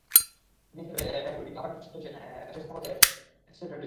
কিডনির চিকিৎসা ব্যয়বহুলকিডনি অকার্যকারিতার সবচেয়ে শেষ ধাপ হচ্ছে এন্ড স্টেজ রেনাল ডিজিজ।